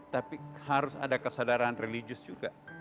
tapi harus ada kesadaran religius juga